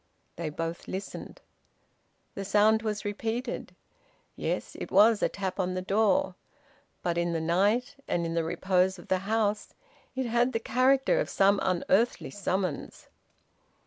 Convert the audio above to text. They both listened. The sound was repeated. Yes, it was a tap on the door; but in the night, and in the repose of the house, it had the character of some unearthly summons.